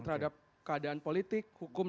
terhadap keadaan politik hukum